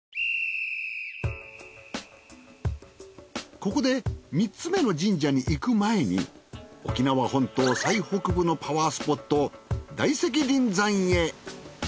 ここで３つめの神社に行く前に沖縄本島最北部のパワースポット大石林山へ。